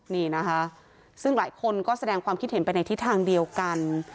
นี่นะคะซึ่งหลายคนก็แสดงความคิดเห็นไปในทิศทางเดียวกัน